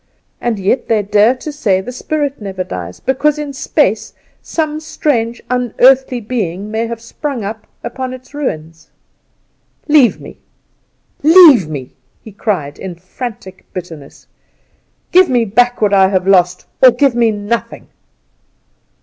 And yet they dare to say the spirit never dies, because in space some strange unearthly being may have sprung up upon its ruins. Leave me! Leave me!" he cried in frantic bitterness. "Give me back what I have lost, or give me nothing."